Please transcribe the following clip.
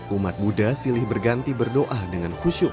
umat buddha silih berganti berdoa dengan khusyuk